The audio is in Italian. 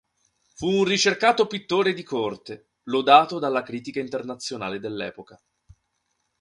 Fu un ricercato pittore di corte, lodato dalla critica internazionale dell'epoca.